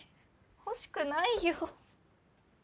欲しくないよ。